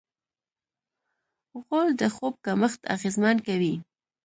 غول د خوب کمښت اغېزمن کوي.